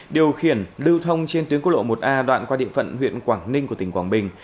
điều khiển lưu thông trên tuyến quốc lộ một a đoạn qua địa phận huyện quảng ninh của tỉnh quảng bình